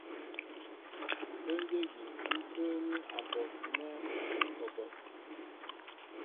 Pə́ndə́ ígí ḿ pə́ə́ní a bon nɛ́ ŋ̀ kɔ a bon.